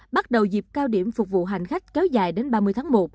bắt đầu dịp cao điểm phục vụ hành khách kéo dài đến ba mươi tháng một